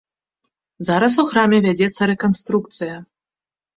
Зараз у храме вядзецца рэканструкцыя.